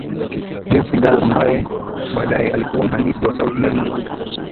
Dave Segal ambaye badaye alikuwa mhandisi wa sauti ya Dube